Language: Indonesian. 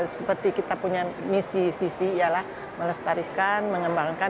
seperti kita punya misi visi ialah melestarikan mengembangkan